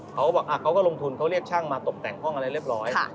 เขาก็บอกเขาก็ลงทุนเขาเรียกช่างมาตกแต่งห้องอะไรเรียบร้อย